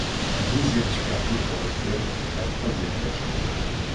C'est la douzième Supercoupe pour le club, la troisième d'affilée.